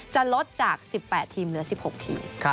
จะลดจาก๑๘ทีมเหลือ๑๖ทีม